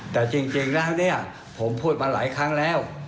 แต่จริงแล้วเนี่ยผมพูดมาหลายครั้งแล้ว